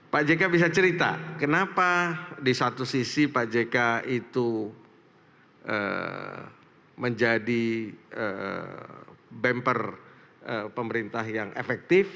pak jk bisa cerita kenapa di satu sisi pak jk itu menjadi bumper pemerintah yang efektif